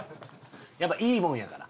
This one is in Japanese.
やっぱいいもんやから。